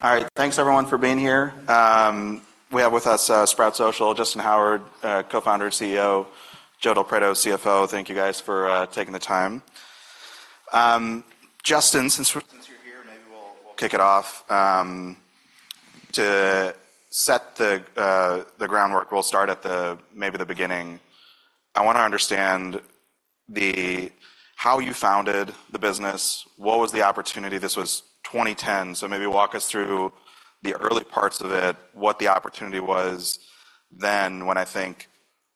All right, thanks everyone for being here. We have with us Sprout Social, Justyn Howard, Co-founder and CEO, Joe Del Preto, CFO. Thank you guys for taking the time. Justyn, since you're here, maybe we'll kick it off. To set the groundwork, we'll start at maybe the beginning. I want to understand how you founded the business. What was the opportunity? This was 2010, so maybe walk us through the early parts of it, what the opportunity was then, when I think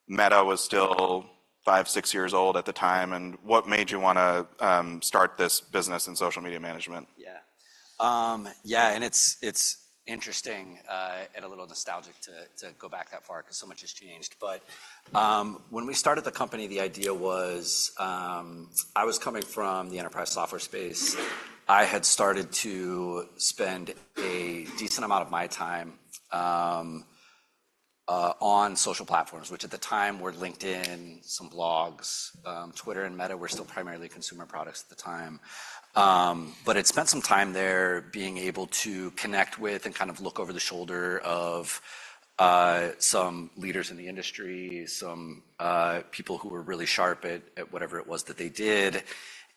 Meta was still five, six years old at the time, and what made you want to start this business in social media management? Yeah. Yeah, and it's interesting and a little nostalgic to go back that far 'cause so much has changed. But when we started the company, the idea was I was coming from the enterprise software space. I had started to spend a decent amount of my time on social platforms, which at the time were LinkedIn, some blogs. Twitter and Meta were still primarily consumer products at the time. But I'd spent some time there being able to connect with and kind of look over the shoulder of some leaders in the industry, some people who were really sharp at whatever it was that they did.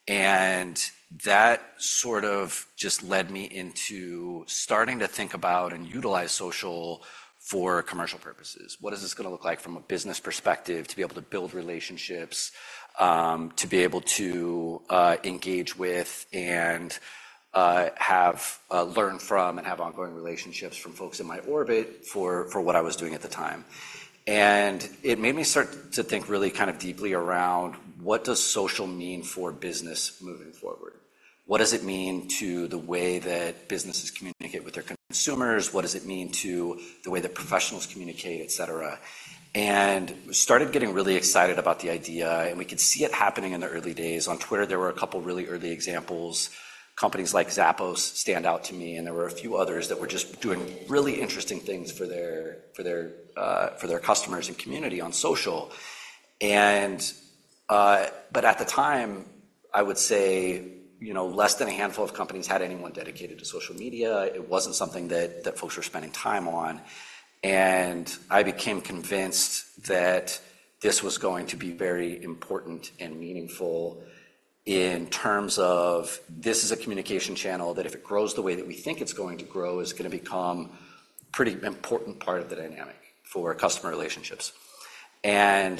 And that sort of just led me into starting to think about and utilize social for commercial purposes. What is this going to look like from a business perspective, to be able to build relationships, to be able to, engage with, and, have, learn from, and have ongoing relationships from folks in my orbit for what I was doing at the time? It made me start to think really kind of deeply around what does social mean for business moving forward? What does it mean to the way that businesses communicate with their consumers? What does it mean to the way that professionals communicate, et cetera? Started getting really excited about the idea, and we could see it happening in the early days. On Twitter, there were a couple really early examples. Companies like Zappos stand out to me, and there were a few others that were just doing really interesting things for their customers and community on social. But at the time, I would say, you know, less than a handful of companies had anyone dedicated to social media. It wasn't something that folks were spending time on. And I became convinced that this was going to be very important and meaningful in terms of, this is a communication channel, that if it grows the way that we think it's going to grow, is going to become pretty important part of the dynamic for customer relationships. And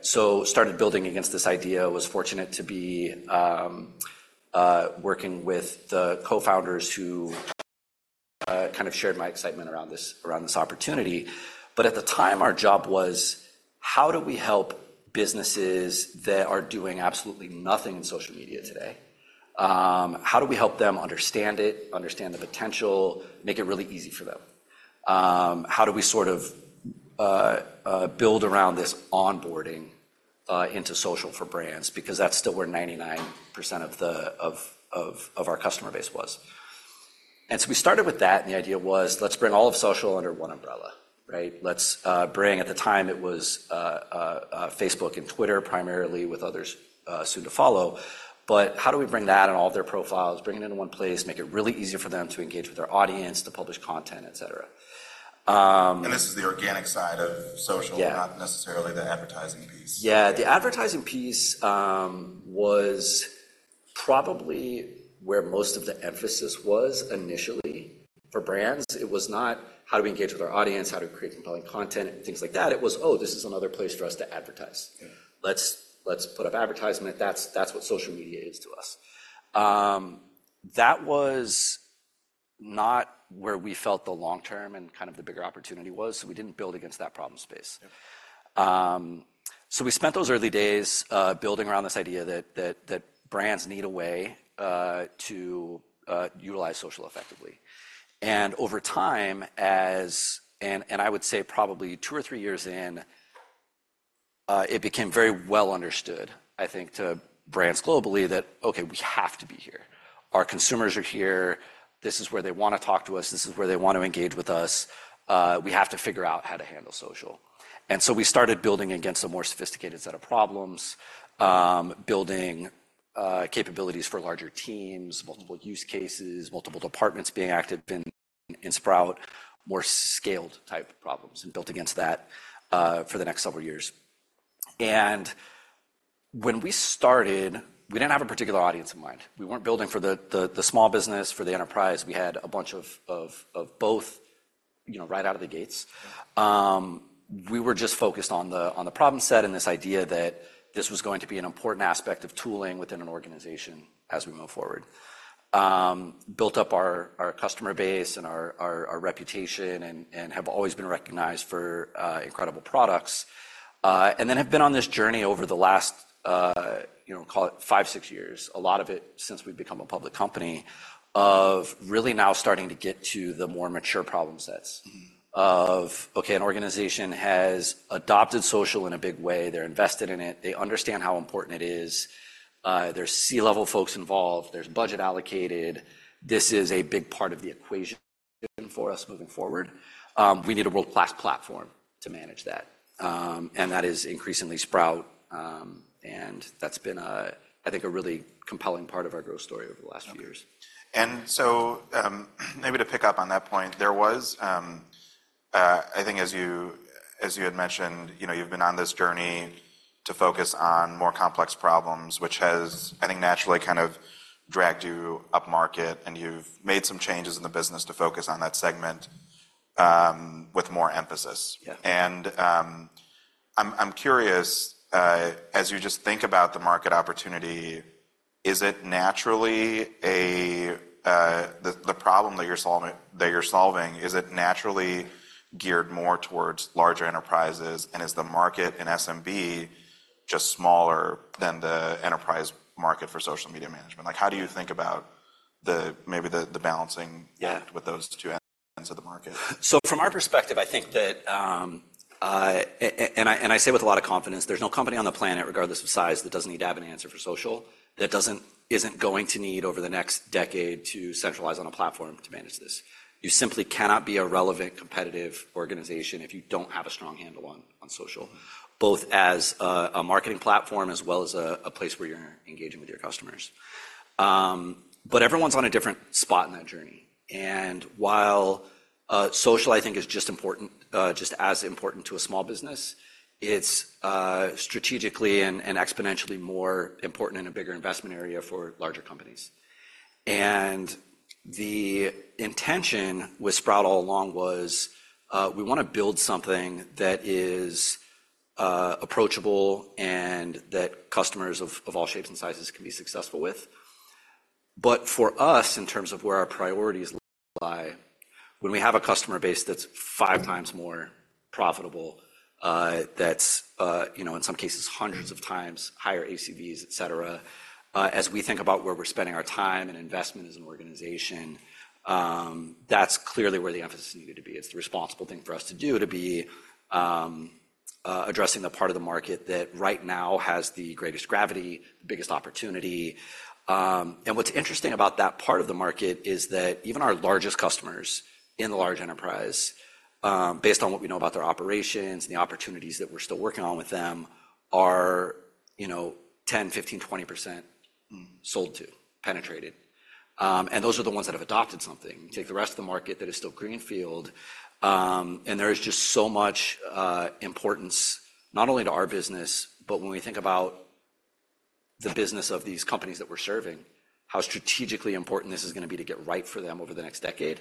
so started building against this idea. Was fortunate to be working with the co-founders who kind of shared my excitement around this opportunity. But at the time, our job was, how do we help businesses that are doing absolutely nothing in social media today? How do we help them understand it, understand the potential, make it really easy for them? How do we sort of build around this onboarding into social for brands? Because that's still where 99% of our customer base was. And so we started with that, and the idea was, let's bring all of social under one umbrella, right? At the time, it was Facebook and Twitter, primarily, with others soon to follow. But how do we bring that and all of their profiles, bring it into one place, make it really easy for them to engage with their audience, to publish content, et cetera? This is the organic side of social- Yeah. Not necessarily the advertising piece. Yeah, the advertising piece was probably where most of the emphasis was initially. For brands, it was not how do we engage with our audience, how do we create compelling content, and things like that. It was, "Oh, this is another place for us to advertise. Yeah. Let's put up advertisement. That's what social media is to us." That was not where we felt the long-term and kind of the bigger opportunity was, so we didn't build against that problem space. Yeah. So we spent those early days building around this idea that brands need a way to utilize social effectively. And over time, and I would say probably two or three years in, it became very well understood, I think, to brands globally, that, "Okay, we have to be here. Our consumers are here. This is where they want to talk to us. This is where they want to engage with us. We have to figure out how to handle social." And so we started building against a more sophisticated set of problems, building capabilities for larger teams, multiple use cases, multiple departments being active in Sprout, more scaled type of problems, and built against that for the next several years. And when we started, we didn't have a particular audience in mind. We weren't building for the small business, for the enterprise. We had a bunch of both, you know, right out of the gates. We were just focused on the problem set and this idea that this was going to be an important aspect of tooling within an organization as we move forward, built up our customer base and our reputation and have always been recognized for incredible products, and then have been on this journey over the last, you know, call it five, six years, a lot of it since we've become a public company, of really now starting to get to the more mature problem sets- Mm-hmm. of, okay, an organization has adopted social in a big way. They're invested in it. They understand how important it is. There's C-level folks involved. There's budget allocated. This is a big part of the equation for us moving forward. We need a world-class platform to manage that. And that is increasingly Sprout, and that's been a, I think, a really compelling part of our growth story over the last few years. Maybe to pick up on that point, there was, I think as you, as you had mentioned, you know, you've been on this journey to focus on more complex problems, which has, I think, naturally kind of dragged you upmarket, and you've made some changes in the business to focus on that segment with more emphasis. Yeah. I'm curious, as you just think about the market opportunity, is it naturally the problem that you're solving geared more towards larger enterprises? And is the market in SMB just smaller than the enterprise market for social media management? Like, how do you think about maybe the balancing- Yeah... act with those two ends of the market? So from our perspective, I think that, and I say with a lot of confidence, there's no company on the planet, regardless of size, that doesn't need to have an answer for social, that isn't going to need, over the next decade, to centralize on a platform to manage this. You simply cannot be a relevant, competitive organization if you don't have a strong handle on social, both as a marketing platform as well as a place where you're engaging with your customers. But everyone's on a different spot in that journey, and while social, I think, is just important, just as important to a small business, it's strategically and exponentially more important and a bigger investment area for larger companies. The intention with Sprout all along was we want to build something that is approachable and that customers of all shapes and sizes can be successful with. But for us, in terms of where our priorities lie, when we have a customer base that's five times more profitable, that's, you know, in some cases, 100s of times higher ACVs, et cetera, as we think about where we're spending our time and investment as an organization, that's clearly where the emphasis needed to be. It's the responsible thing for us to do, to be addressing the part of the market that right now has the greatest gravity, the biggest opportunity. And what's interesting about that part of the market is that even our largest customers in the large enterprise, based on what we know about their operations and the opportunities that we're still working on with them, are, you know, 10, 15, 20%. Mm... sold to, penetrated. And those are the ones that have adopted something. Yeah. You take the rest of the market that is still greenfield, and there is just so much importance, not only to our business, but when we think about the business of these companies that we're serving, how strategically important this is going to be to get right for them over the next decade.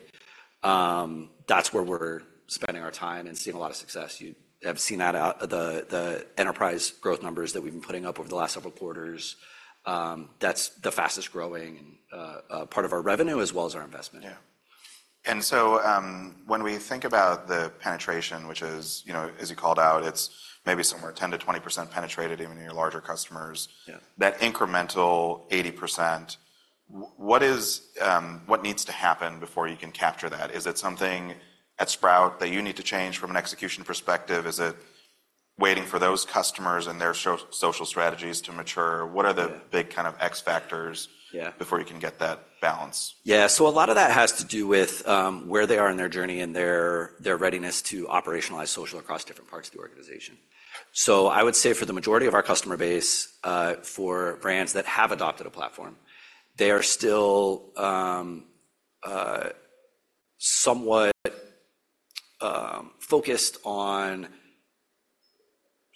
That's where we're spending our time and seeing a lot of success. You have seen that out, the enterprise growth numbers that we've been putting up over the last several quarters. That's the fastest-growing part of our revenue as well as our investment. Yeah. And so, when we think about the penetration, which is, you know, as you called out, it's maybe somewhere 10%-20% penetrated even in your larger customers- Yeah... that incremental 80%, what needs to happen before you can capture that? Is it something at Sprout that you need to change from an execution perspective? Is it waiting for those customers and their social strategies to mature? Yeah. What are the big kind of X factors? Yeah... before you can get that balance? Yeah, so a lot of that has to do with where they are in their journey and their readiness to operationalize social across different parts of the organization. So I would say for the majority of our customer base, for brands that have adopted a platform, they are still somewhat focused on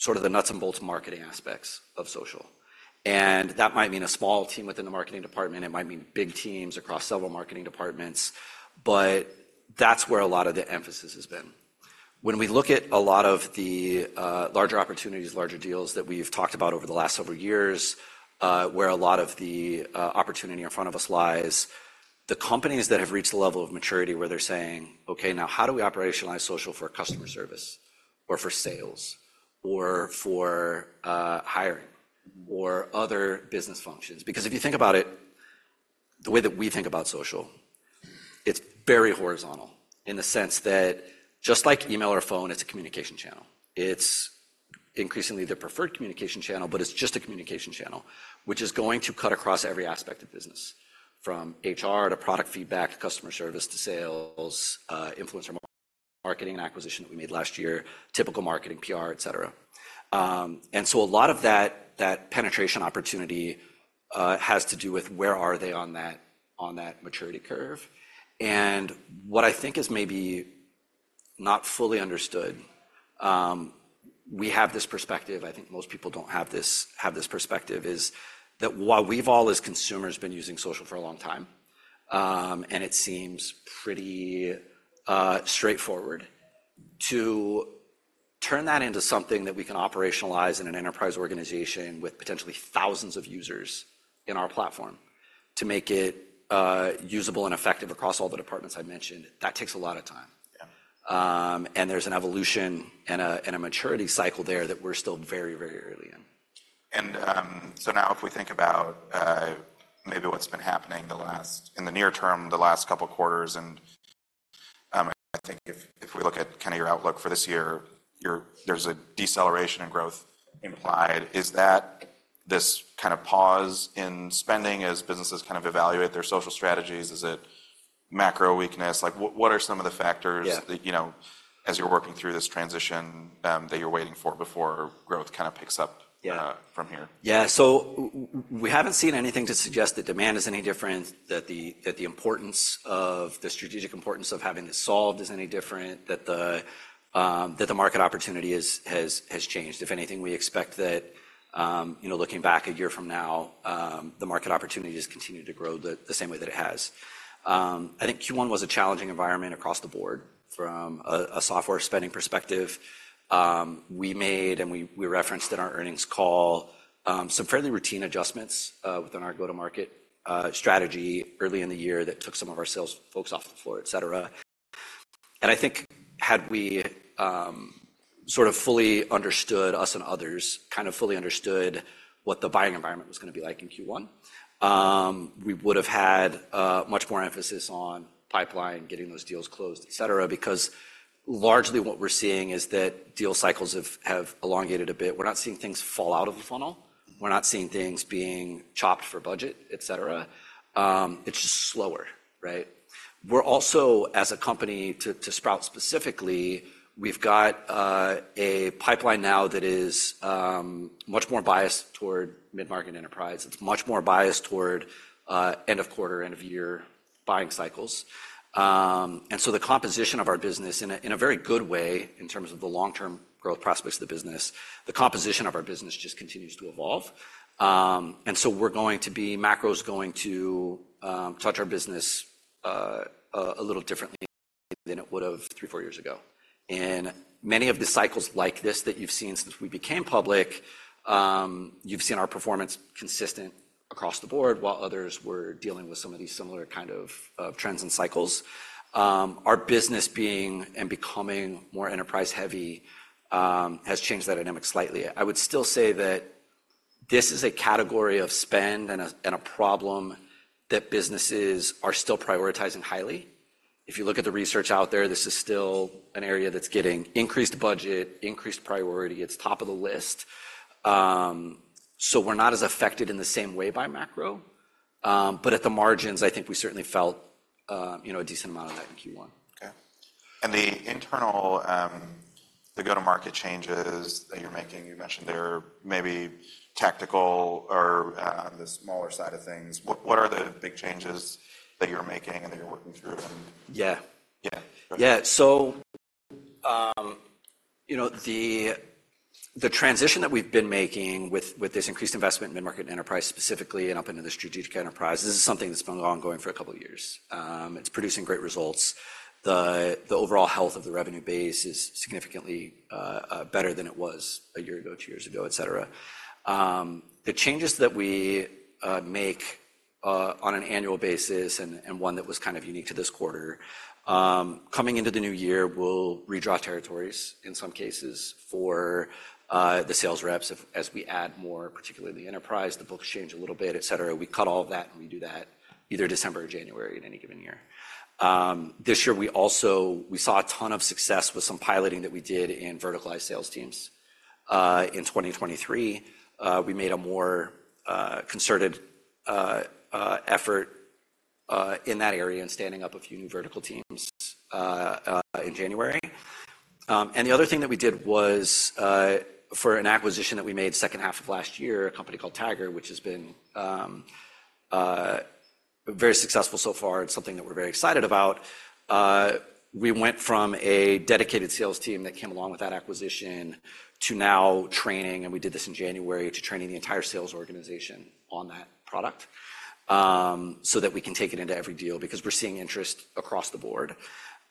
sort of the nuts and bolts marketing aspects of social. And that might mean a small team within the marketing department, it might mean big teams across several marketing departments, but that's where a lot of the emphasis has been. When we look at a lot of the larger opportunities, larger deals that we've talked about over the last several years, where a lot of the opportunity in front of us lies, the companies that have reached a level of maturity where they're saying, "Okay, now how do we operationalize social for customer service, or for sales, or for hiring, or other business functions?" Because if you think about it, the way that we think about social, it's very horizontal in the sense that just like email or phone, it's a communication channel. It's increasingly the preferred communication channel, but it's just a communication channel, which is going to cut across every aspect of business, from HR to product feedback, to customer service, to sales, influencer marketing and acquisition that we made last year, typical marketing, PR, et cetera. A lot of that, that penetration opportunity, has to do with where are they on that, on that maturity curve. What I think is maybe not fully understood, we have this perspective, I think most people don't have this, have this perspective, is that while we've all, as consumers, been using social for a long time, and it seems pretty, straightforward to turn that into something that we can operationalize in an enterprise organization with potentially thousands of users in our platform, to make it, usable and effective across all the departments I mentioned, that takes a lot of time. Yeah. There's an evolution and a maturity cycle there that we're still very, very early in. And, so now if we think about maybe what's been happening in the near term, the last couple of quarters, and I think if, if we look at kind of your outlook for this year, there's a deceleration in growth implied. Is this kind of pause in spending as businesses kind of evaluate their social strategies? Is it macro weakness? Like, what, what are some of the factors? Yeah. -that, you know, as you're working through this transition, that you're waiting for before growth kind of picks up- Yeah. From here? Yeah. So we haven't seen anything to suggest that demand is any different, that the, that the importance of the strategic importance of having this solved is any different, that the, that the market opportunity has changed. If anything, we expect that, you know, looking back a year from now, the market opportunity just continued to grow the, the same way that it has. I think Q1 was a challenging environment across the board from a software spending perspective. We made, and we referenced in our earnings call, some fairly routine adjustments within our go-to-market strategy early in the year that took some of our sales folks off the floor, et cetera. I think had we sort of fully understood, us and others kind of fully understood what the buying environment was going to be like in Q1, we would have had much more emphasis on pipeline, getting those deals closed, et cetera, because largely what we're seeing is that deal cycles have elongated a bit. We're not seeing things fall out of the funnel. We're not seeing things being chopped for budget, et cetera. It's just slower, right? We're also, as a company, to Sprout specifically, we've got a pipeline now that is much more biased toward mid-market enterprise. It's much more biased toward end of quarter, end of year buying cycles. And so the composition of our business in a, in a very good way in terms of the long-term growth prospects of the business, the composition of our business just continues to evolve. And so we're going to be. Macro is going to touch our business a little differently than it would have three, four years ago. And many of the cycles like this that you've seen since we became public, you've seen our performance consistent across the board, while others were dealing with some of these similar kind of trends and cycles. Our business being and becoming more enterprise-heavy has changed that dynamic slightly. I would still say that this is a category of spend and a problem that businesses are still prioritizing highly. If you look at the research out there, this is still an area that's getting increased budget, increased priority. It's top of the list. So we're not as affected in the same way by macro, but at the margins, I think we certainly felt, you know, a decent amount of that in Q1. Okay. And the internal, the go-to-market changes that you're making, you mentioned they're maybe tactical or, on the smaller side of things. What are the big changes that you're making and that you're working through them? Yeah. Yeah. Yeah. So, you know, the transition that we've been making with this increased investment in mid-market enterprise specifically and up into the strategic enterprise, this is something that's been ongoing for a couple of years. It's producing great results. The overall health of the revenue base is significantly better than it was a year ago, two years ago, et cetera. The changes that we make on an annual basis, and one that was kind of unique to this quarter, coming into the new year, we'll redraw territories in some cases for the sales reps as we add more, particularly the enterprise, the books change a little bit, et cetera. We cut all of that, and we do that either December or January in any given year. This year, we also saw a ton of success with some piloting that we did in verticalized sales teams. In 2023, we made a more concerted effort in that area and standing up a few new vertical teams in January. And the other thing that we did was for an acquisition that we made second half of last year, a company called Tagger, which has been very successful so far. It's something that we're very excited about. We went from a dedicated sales team that came along with that acquisition to now training, and we did this in January, to training the entire sales organization on that product, so that we can take it into every deal because we're seeing interest across the board.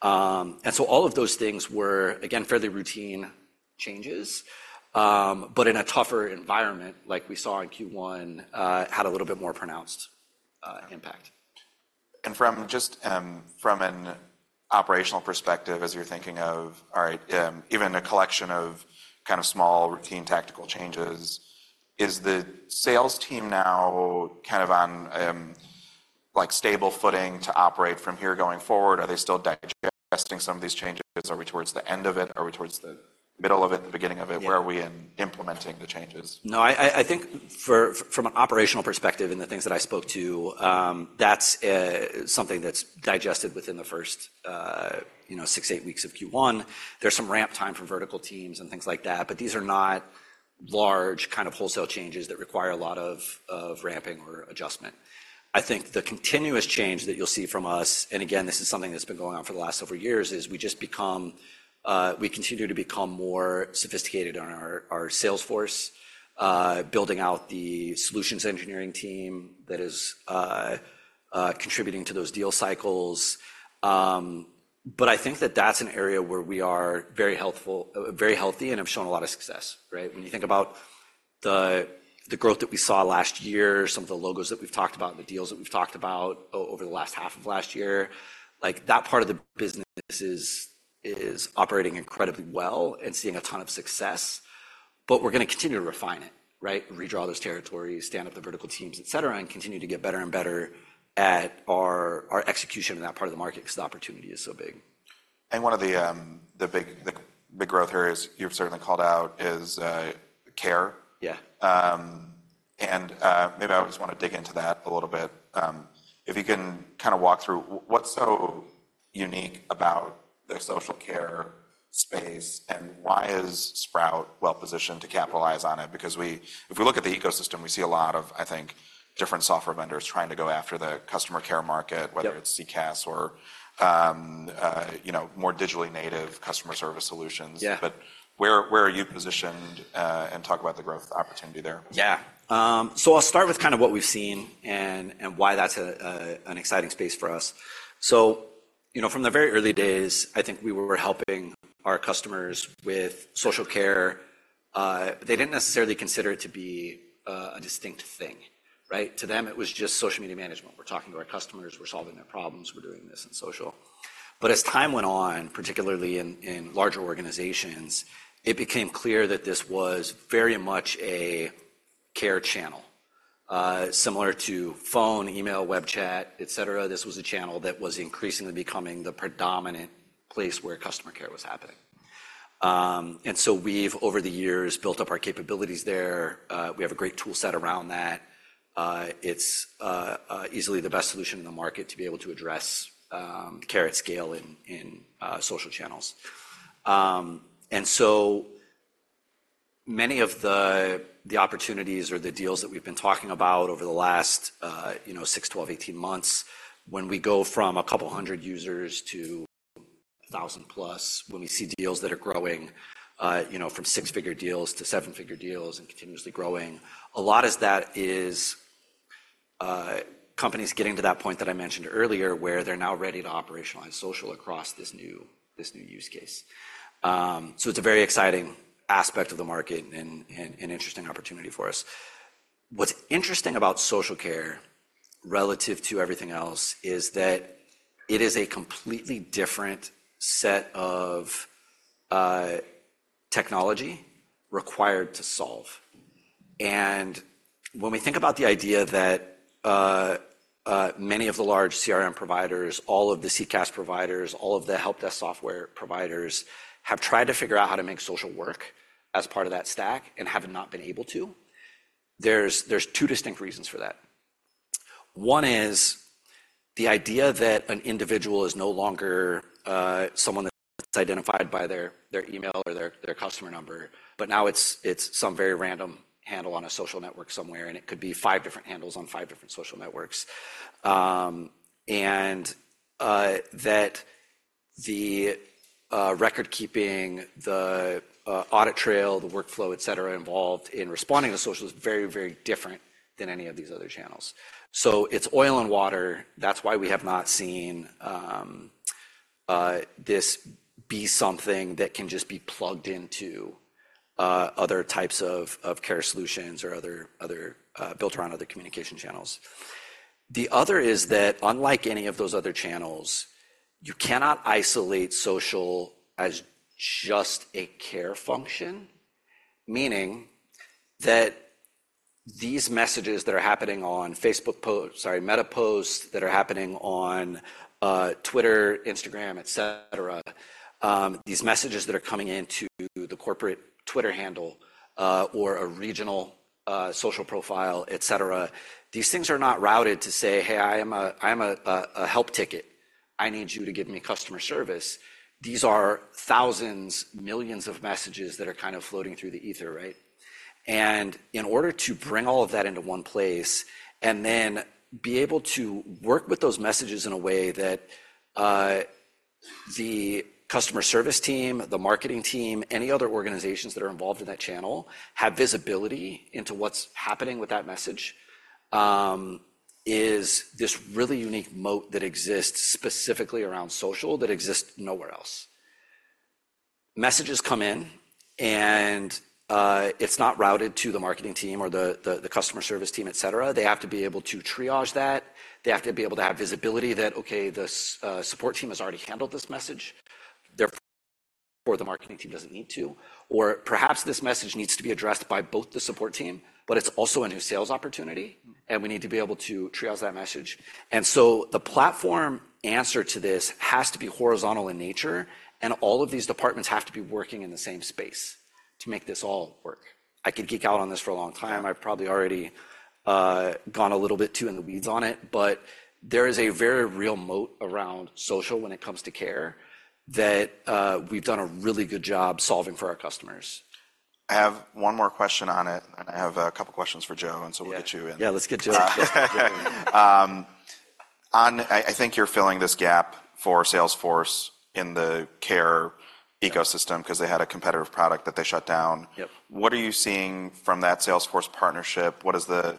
All of those things were, again, fairly routine changes, but in a tougher environment, like we saw in Q1, had a little bit more pronounced impact. From just from an operational perspective, as you're thinking of all right, even a collection of kind of small, routine, tactical changes, is the sales team now kind of on like stable footing to operate from here going forward? Are they still digesting some of these changes? Are we towards the end of it? Are we towards the middle of it, the beginning of it? Yeah. Where are we in implementing the changes? No, I think from an operational perspective and the things that I spoke to, that's something that's digested within the first, you know, six to eight weeks of Q1. There's some ramp time for vertical teams and things like that, but these are not large kind of wholesale changes that require a lot of ramping or adjustment. I think the continuous change that you'll see from us, and again, this is something that's been going on for the last several years, is we continue to become more sophisticated on our sales force, building out the solutions engineering team that is contributing to those deal cycles. But I think that's an area where we are very helpful, very healthy and have shown a lot of success, right? When you think about the growth that we saw last year, some of the logos that we've talked about, and the deals that we've talked about over the last half of last year, like, that part of the business is operating incredibly well and seeing a ton of success, but we're going to continue to refine it, right? Redraw those territories, stand up the vertical teams, et cetera, and continue to get better and better at our execution in that part of the market because the opportunity is so big. One of the big growth areas you've certainly called out is care. Yeah. Maybe I just want to dig into that a little bit. If you can kind of walk through what's so unique about the social care space, and why is Sprout well positioned to capitalize on it? Because if we look at the ecosystem, we see a lot of, I think, different software vendors trying to go after the customer care market- Yep... whether it's CCaaS or, you know, more digitally native customer service solutions. Yeah. Where, where are you positioned, and talk about the growth opportunity there? Yeah. So I'll start with kind of what we've seen and why that's an exciting space for us. So, you know, from the very early days, I think we were helping our customers with social care. They didn't necessarily consider it to be a distinct thing, right? To them, it was just social media management. We're talking to our customers, we're solving their problems, we're doing this in social. But as time went on, particularly in larger organizations, it became clear that this was very much a care channel. Similar to phone, email, web chat, et cetera, this was a channel that was increasingly becoming the predominant place where customer care was happening. And so we've, over the years, built up our capabilities there. We have a great toolset around that. It's easily the best solution in the market to be able to address care at scale in social channels. And so many of the opportunities or the deals that we've been talking about over the last, you know, six, 12, 18 months, when we go from 200 users to 1,000+, when we see deals that are growing, you know, from six-figure deals to seven-figure deals and continuously growing, a lot of that is companies getting to that point that I mentioned earlier, where they're now ready to operationalize social across this new use case. So it's a very exciting aspect of the market and an interesting opportunity for us. What's interesting about social care, relative to everything else, is that it is a completely different set of technology required to solve. And when we think about the idea that many of the large CRM providers, all of the CCaaS providers, all of the help desk software providers, have tried to figure out how to make social work as part of that stack and have not been able to, there's two distinct reasons for that. One is the idea that an individual is no longer someone that's identified by their email or their customer number, but now it's some very random handle on a social network somewhere, and it could be five different handles on five different social networks. And that the record keeping, the audit trail, the workflow, et cetera, involved in responding to social is very, very different than any of these other channels. So it's oil and water. That's why we have not seen this be something that can just be plugged into other types of care solutions or other built around other communication channels. The other is that unlike any of those other channels, you cannot isolate social as just a care function, meaning that these messages that are happening on Facebook posts—sorry, Meta posts, that are happening on Twitter, Instagram, et cetera, these messages that are coming into the corporate Twitter handle or a regional social profile, et cetera, these things are not routed to say, "Hey, I am a help ticket. I need you to give me customer service." These are thousands, millions of messages that are kind of floating through the ether, right? In order to bring all of that into one place and then be able to work with those messages in a way that the customer service team, the marketing team, any other organizations that are involved in that channel, have visibility into what's happening with that message, is this really unique moat that exists specifically around social, that exists nowhere else. Messages come in, and it's not routed to the marketing team or the customer service team, et cetera. They have to be able to triage that. They have to be able to have visibility that, okay, the support team has already handled this message; therefore, the marketing team doesn't need to, or perhaps this message needs to be addressed by both the support team, but it's also a new sales opportunity, and we need to be able to triage that message. And so the platform answer to this has to be horizontal in nature, and all of these departments have to be working in the same space to make this all work. I could geek out on this for a long time. I've probably already gone a little bit too in the weeds on it, but there is a very real moat around social when it comes to care, that we've done a really good job solving for our customers. I have one more question on it, and I have a couple questions for Joe, and so we'll get you in. Yeah, let's get to it. I think you're filling this gap for Salesforce in the care ecosystem 'cause they had a competitive product that they shut down. Yep. What are you seeing from that Salesforce partnership? What is the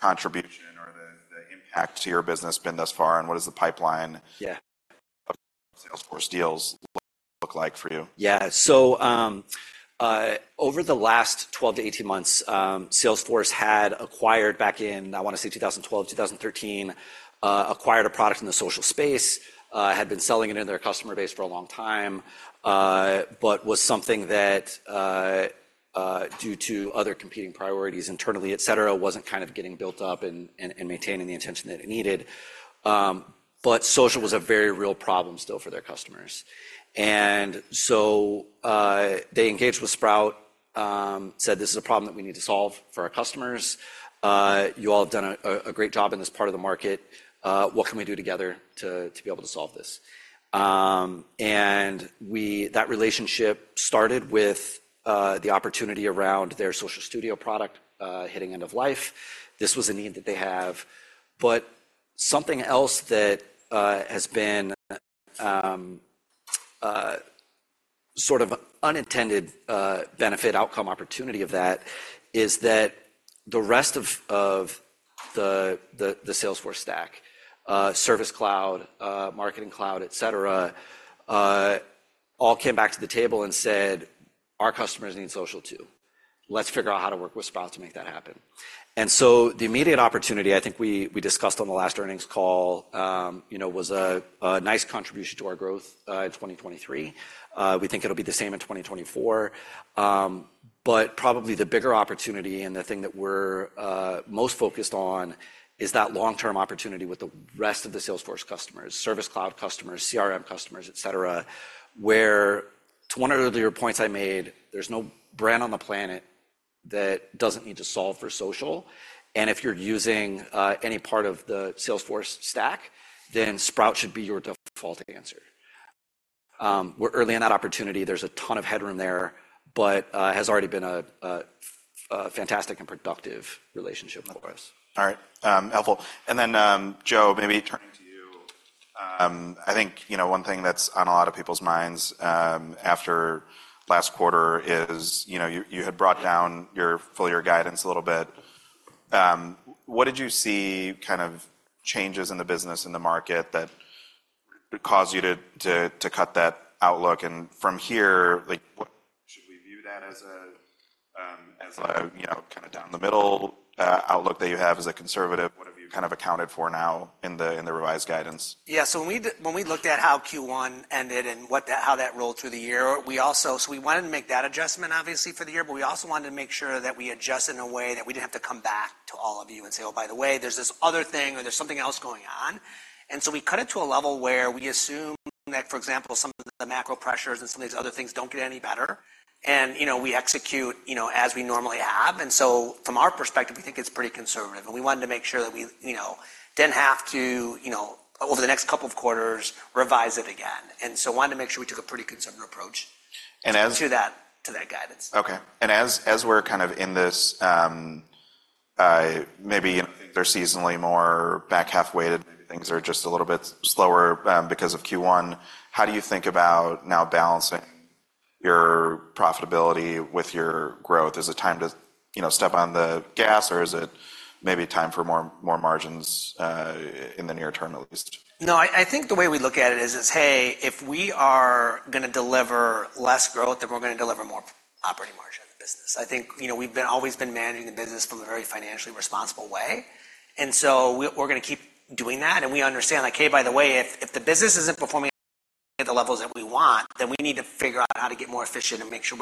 contribution or the impact to your business been thus far, and what is the pipeline- Yeah ... of Salesforce deals look like for you? Yeah. So, over the last 12-18 months, Salesforce had acquired, back in, I want to say 2012, 2013, acquired a product in the social space, had been selling it in their customer base for a long time, but was something that, due to other competing priorities internally, et cetera, wasn't kind of getting built up and maintaining the attention that it needed. But social was a very real problem still for their customers. And so, they engaged with Sprout, said, "This is a problem that we need to solve for our customers. You all have done a great job in this part of the market. What can we do together to be able to solve this?" And that relationship started with the opportunity around their Social Studio product hitting end of life. This was a need that they have. But something else that has been sort of unintended benefit, outcome, opportunity of that is that the rest of the Salesforce stack, Service Cloud, Marketing Cloud, et cetera, all came back to the table and said, "Our customers need social, too. Let's figure out how to work with Sprout to make that happen." And so the immediate opportunity, I think we discussed on the last earnings call, you know, was a nice contribution to our growth in 2023. We think it'll be the same in 2024. But probably the bigger opportunity, and the thing that we're most focused on, is that long-term opportunity with the rest of the Salesforce customers, Service Cloud customers, CRM customers, et cetera, where, to one of the earlier points I made, there's no brand on the planet that doesn't need to solve for social, and if you're using any part of the Salesforce stack, then Sprout should be your default answer. We're early in that opportunity. There's a ton of headroom there, but has already been a fantastic and productive relationship with us. All right, helpful. And then, Joe, maybe turning to you. I think, you know, one thing that's on a lot of people's minds, after last quarter is, you know, you had brought down your full year guidance a little bit. What did you see kind of changes in the business, in the market, that caused you to cut that outlook? And from here, like, what should we view that as a, as a, you know, kinda down the middle, outlook that you have, as a conservative? What have you kind of accounted for now in the, in the revised guidance? Yeah. So when we looked at how Q1 ended and how that rolled through the year, we also... So we wanted to make that adjustment, obviously, for the year, but we also wanted to make sure that we adjusted in a way that we didn't have to come back to all of you and say, "Oh, by the way, there's this other thing, or there's something else going on." And so we cut it to a level where we assume that, for example, some of the macro pressures and some of these other things don't get any better, and, you know, we execute, you know, as we normally have. And so from our perspective, we think it's pretty conservative, and we wanted to make sure that we, you know, didn't have to, you know, over the next couple of quarters, revise it again. Wanted to make sure we took a pretty conservative approach- And as- to that, to that guidance. Okay. As we're kind of in this, maybe they're seasonally more back half-weighted, maybe things are just a little bit slower, because of Q1, how do you think about now balancing your profitability with your growth? Is it time to, you know, step on the gas, or is it maybe time for more margins in the near term, at least? No, I think the way we look at it is, hey, if we are gonna deliver less growth, then we're gonna deliver more operating margin in the business. I think, you know, we've always been managing the business from a very financially responsible way, and so we're gonna keep doing that. And we understand, like, hey, by the way, if the business isn't performing at the levels that we want, then we need to figure out how to get more efficient and make sure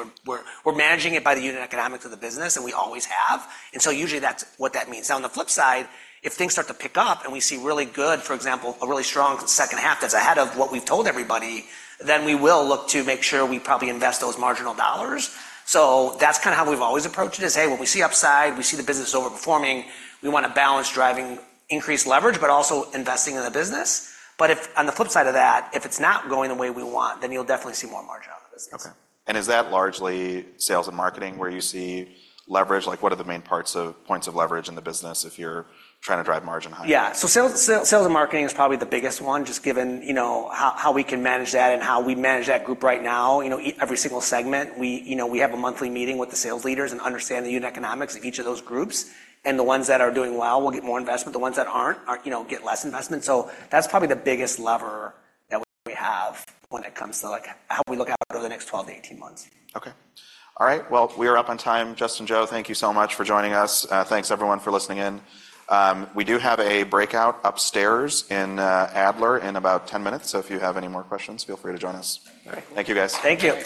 we're managing it by the unit economics of the business, and we always have. And so usually that's what that means. Now, on the flip side, if things start to pick up and we see really good, for example, a really strong second half that's ahead of what we've told everybody, then we will look to make sure we probably invest those marginal dollars. So that's kinda how we've always approached it, is, hey, when we see upside, we see the business overperforming, we wanna balance driving increased leverage, but also investing in the business. But if on the flip side of that, if it's not going the way we want, then you'll definitely see more margin out of the business. Okay. Is that largely sales and marketing, where you see leverage? Like, what are the main points of leverage in the business if you're trying to drive margin higher? Yeah. So sales and marketing is probably the biggest one, just given, you know, how we can manage that and how we manage that group right now. You know, every single segment, you know, we have a monthly meeting with the sales leaders and understand the unit economics of each of those groups, and the ones that are doing well will get more investment, the ones that aren't, you know, get less investment. So that's probably the biggest lever that we have when it comes to, like, how we look out over the next 12-18 months. Okay. All right, well, we are up on time. Justyn, Joe, thank you so much for joining us. Thanks, everyone, for listening in. We do have a breakout upstairs in Adler in about 10 minutes, so if you have any more questions, feel free to join us. All right. Thank you, guys. Thank you.